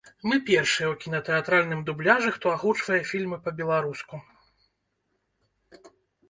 Мы першыя ў кінатэатральным дубляжы, хто агучвае фільмы па-беларуску.